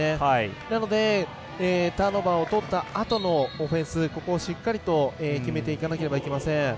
なので、ターンオーバーをとったあとのオフェンスここをしっかりと決めていかなければいけません。